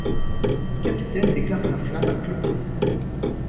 Le capitaine déclare sa flamme à Clotilde.